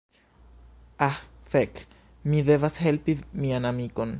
Ah fek, mi devas helpi mian amikon.